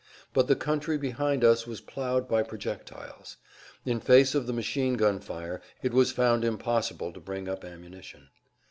But the country behind us was plowed by projectiles. In face of the machine gun fire it was found impossible to bring up ammunition.